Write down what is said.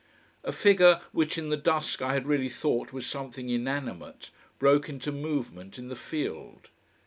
A figure which in the dusk I had really thought was something inanimate broke into movement in the field.